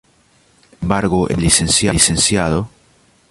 Sin embargo el Lic.